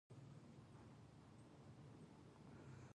بازار ته ډېر خلق راوتي دي